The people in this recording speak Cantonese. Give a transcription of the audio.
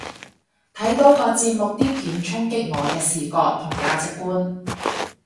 睇到個節目啲片衝擊我嘅視覺同價值觀